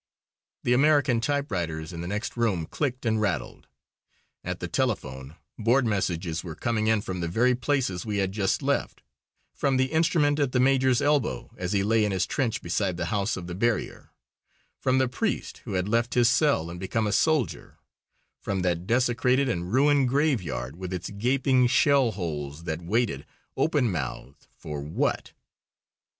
The American typewriters in the next room clicked and rattled. At the telephone board messages were coming in from the very places we had just left from the instrument at the major's elbow as he lay in his trench beside the House of the Barrier; from the priest who had left his cell and become a soldier; from that desecrated and ruined graveyard with its gaping shell holes that waited, open mouthed, for what?